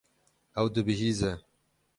Ew dibihîze.